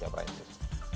di jawa press